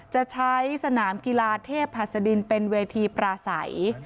จะใช้สนามกีฬาเทพหัสดินเป็นเวทีปราศัย